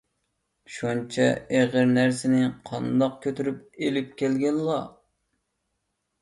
شۇنچە ئېغىر نەرسىنى قانداق كۆتۈرۈپ ئېلىپ كەلگەنلا؟